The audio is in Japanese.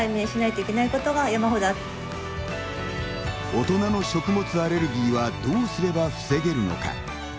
大人の食物アレルギーはどうすれば防げるのか。